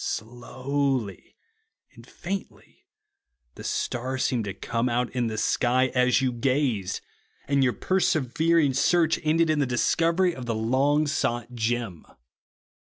Slowly and faintly the star seemed to come out in the sky, as you gazed ; and your persever ing search ended in the discovery of the long sought gem.